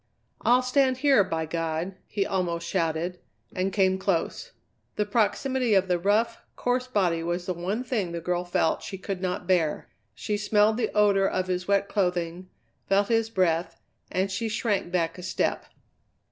"I'll stand here, by God!" he almost shouted, and came close. The proximity of the rough, coarse body was the one thing the girl felt she could not bear. She smelled the odour of his wet clothing, felt his breath, and she shrank back a step.